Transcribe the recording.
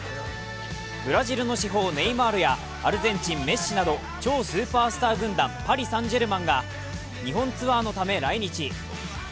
ブラジルの至宝・ネイマールやアルゼンチン・メッシなど超スーパースター軍団パリ・サンジェルマンが日本ツアーのため来日。